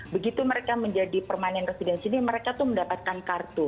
begitu mereka menjadi permanent resident sini mereka itu mendapatkan kartu